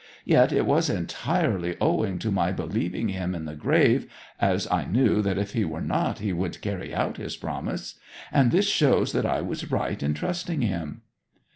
Yet it was entirely owing to my believing him in the grave, as I knew that if he were not he would carry out his promise; and this shows that I was right in trusting him.'